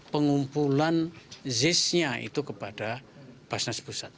pengumpulan zisnya itu kepada basnas pusat